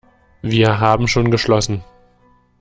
Wir haben schon geschlossen.